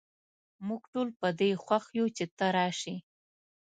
موږ ټول په دي خوښ یو چې ته راشي